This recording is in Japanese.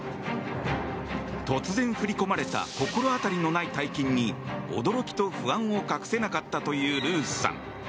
突然、振り込まれた心当たりのない大金に驚きと不安を隠せなかったというルースさん。